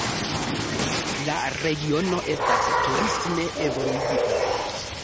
La regiono estas turisme evoluigita.